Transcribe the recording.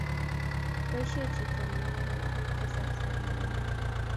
Boishei chito neinyoi biik kasarta nyi komnyei